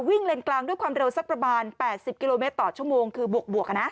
เลนกลางด้วยความเร็วสักประมาณ๘๐กิโลเมตรต่อชั่วโมงคือบวก